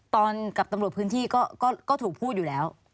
กับตำรวจพื้นที่ก็ถูกพูดอยู่แล้ว